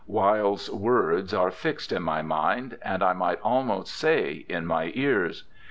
Wilde's words are fixed in my mind, and, I might almost say, in my ears.